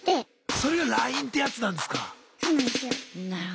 それがラインってやつなんですか。